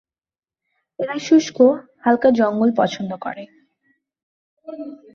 এরা শুষ্ক, হালকা জঙ্গল পছন্দ করে।